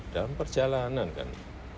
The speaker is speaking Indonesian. dalam perjalanan kan